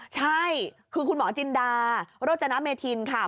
ใช่คือคุณหมอจินดาโรจนเมธินค่ะ